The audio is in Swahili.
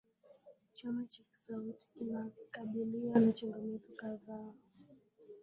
Chama cha Skauti kinakabiliwa na changamoto kadhaa